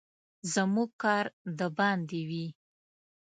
زموږ کار د باندې وي.